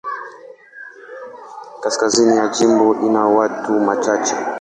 Kaskazini ya jimbo ina watu wachache.